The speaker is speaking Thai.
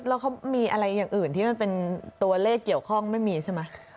แล้วเขามีอะไรอย่างอื่นที่มันเป็นตัวเลขเกี่ยวข้องไม่มีใช่ไหม